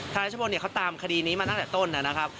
รัชพลเขาตามคดีนี้มาตั้งแต่ต้นนะครับ